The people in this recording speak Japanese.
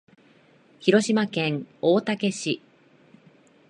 広島県大竹市